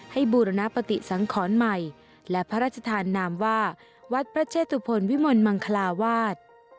บูรณปฏิสังขรใหม่และพระราชทานนามว่าวัดพระเชตุพลวิมลมังคลาวาส